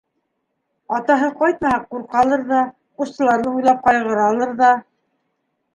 Атаһы ҡайтмаһа, ҡурҡалыр ҙа, ҡустыларын уйлап ҡайғыралыр ҙа.